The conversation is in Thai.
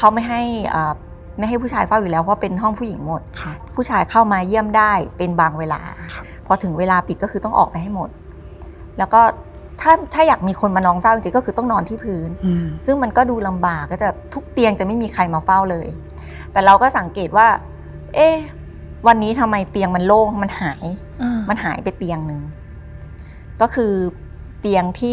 เขาไม่ให้อ่าไม่ให้ผู้ชายเฝ้าอยู่แล้วเพราะเป็นห้องผู้หญิงหมดค่ะผู้ชายเข้ามาเยี่ยมได้เป็นบางเวลาครับพอถึงเวลาปิดก็คือต้องออกไปให้หมดแล้วก็ถ้าถ้าอยากมีคนมานองเฝ้าจริงจริงก็คือต้องนอนที่พื้นซึ่งมันก็ดูลำบากก็จะทุกเตียงจะไม่มีใครมาเฝ้าเลยแต่เราก็สังเกตว่าเอ๊ะวันนี้ทำไมเตียงมันโล่งมันหายอืมมันหายไปเตียงหนึ่งก็คือเตียงที่